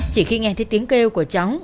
chỉ khi nghe thấy tiếng kêu của cháu